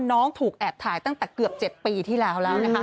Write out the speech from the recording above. น้องถูกแอบถ่ายตั้งแต่เกือบ๗ปีที่แล้วแล้วนะคะ